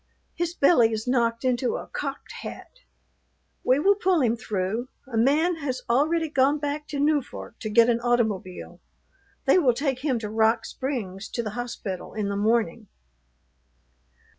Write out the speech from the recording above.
His belly is knocked into a cocked hat. We will pull him through. A man has already gone back to Newfork to get an automobile. They will take him to Rock Springs to the hospital in the morning."